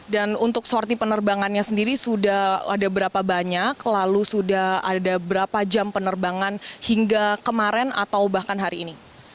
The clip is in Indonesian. dan untuk sorti penerbangannya sendiri sudah ada berapa banyak lalu sudah ada berapa jam penerbangan hingga kemarin atau bahkan hari ini